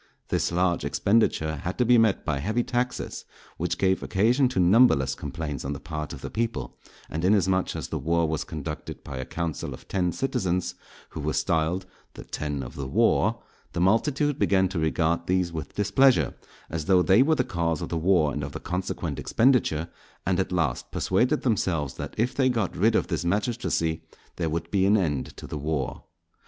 This large expenditure had to be met by heavy taxes which gave occasion to numberless complaints on the part of the people; and inasmuch as the war was conducted by a council of ten citizens, who were styled "the Ten of the War," the multitude began to regard these with displeasure, as though they were the cause of the war and of the consequent expenditure; and at last persuaded themselves that if they got rid of this magistracy there would be an end to the war.